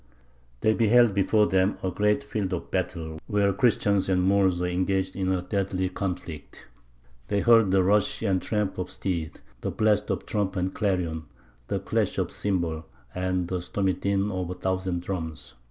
"They beheld before them a great field of battle, where Christians and Moors were engaged in deadly conflict. They heard the rush and tramp of steeds, the blast of trump and clarion, the clash of cymbal, and the stormy din of a thousand drums.